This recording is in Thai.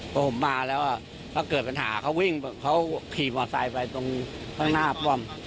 พอผมมาแล้วก็เกิดปัญหาเขาวิ่งเขาขี่มอไซค์ไปตรงข้างหน้าป้อม